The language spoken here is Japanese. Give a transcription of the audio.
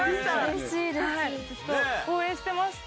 ずっと応援してました。